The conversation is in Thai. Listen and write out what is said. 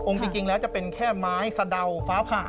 จริงแล้วจะเป็นแค่ไม้สะดาวฟ้าผ่า